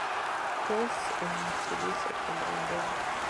ფრენს ივნისიდან ოქტომბრამდე.